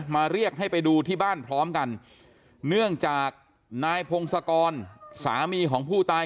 เรียกให้ไปดูที่บ้านพร้อมกันเนื่องจากนายพงศกรสามีของผู้ตาย